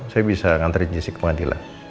saya bisa nganterin jessica ke pengadilan